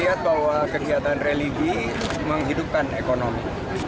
lihat bahwa kegiatan religi menghidupkan ekonomi